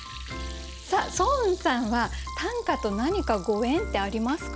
さあ双雲さんは短歌と何かご縁ってありますか？